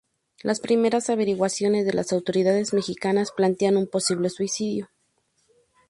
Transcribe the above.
Las primeras averiguaciones de las autoridades mexicanas plantean un posible suicidio.